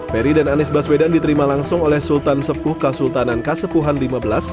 ferry dan anies baswedan diterima langsung oleh sultan sepuh kasultanan kasepuhan lima belas